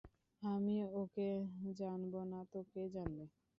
আমি ওঁকে জানব না তো কে জানবে?